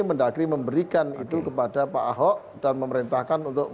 mendagri memberikan itu kepada pak ahok dan memerintahkan untuk